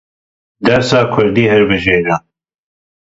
Dersa kurdî hilbijêrin.